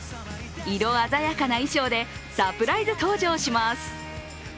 色鮮やかな衣装でサプライズ登場します。